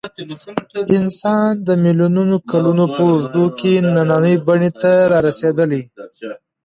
انسان د میلیونونو کلونو په اوږدو کې نننۍ بڼې ته رارسېدلی.